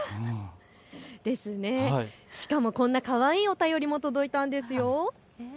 しかもこんなかわいいお便りも届いたんですよ。